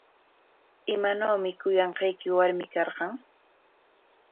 ¿Imanawmi kuyanqayki warmi karqan?